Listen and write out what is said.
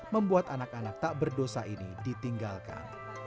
membuat anak anak tak berdosa ini ditinggalkan